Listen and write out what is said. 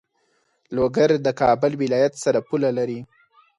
لوګر د کابل ولایت سره پوله لری.